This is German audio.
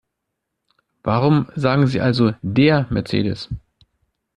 Warum also sagen Sie DER Mercedes?